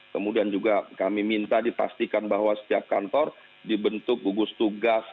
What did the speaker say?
kemudian juga kami minta dipastikan bahwa setiap kantor dibentuk gugus tugas